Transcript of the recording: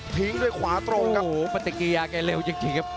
ด้วยขวาตรงครับโอ้โหปฏิกิยาแกเร็วจริงครับ